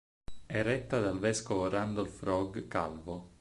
È retta dal vescovo Randolph Roque Calvo.